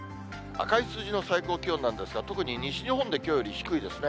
赤い数字の最高気温なんですが、特に西日本できょうより低いですね。